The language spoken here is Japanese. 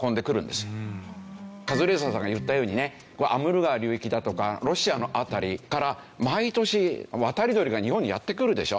カズレーザーさんが言ったようにねアムール川流域だとかロシアの辺りから毎年渡り鳥が日本にやって来るでしょ。